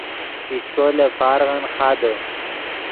پیشکو لے پارغن خادے